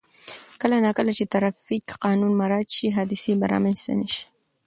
کله نا کله چې ترافیک قانون مراعت شي، حادثې به رامنځته نه شي.